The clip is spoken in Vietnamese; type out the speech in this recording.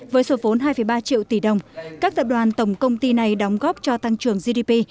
với số vốn hai ba triệu tỷ đồng các tập đoàn tổng công ty này đóng góp cho tăng trưởng gdp